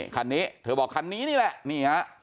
คันนี้เธอบอกคันนี้นี่แหละนี่ฮะ